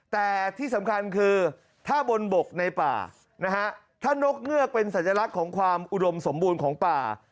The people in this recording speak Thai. แต่ที่สำคัญคือถ้าบนบกในป่านะฮะถ้านกเงือกเป็นสัญลักษณ์ของความอุดมสมบูรณ์ของป่า